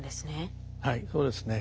はいそうですね。